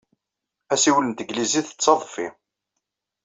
Assiwel n tanglizit d tadfi.